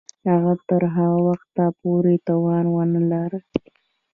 هغه تر هغه وخته پوري توان ونه لري.